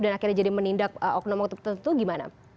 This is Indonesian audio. dan akhirnya jadi menindak oknum waktu tertentu gimana